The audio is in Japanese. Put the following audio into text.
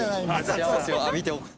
幸せを浴びておく。